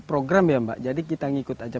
program ya mbak jadi kita ngikut aja